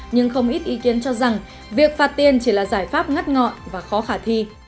nhưng không ít ý kiến cho rằng việc phạt tiền chỉ là giải pháp ngắt ngọn và khó khả thi